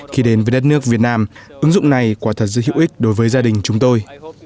khi đến với đất nước việt nam ứng dụng này quả thật sự hữu ích đối với gia đình chúng tôi